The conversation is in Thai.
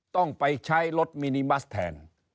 ต้องไปใช้รถมินิบัสแทน